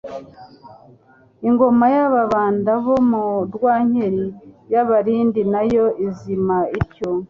Ingoma y'Ababanda bo mu Rwankeli y'Abalindi nayo izima ityo.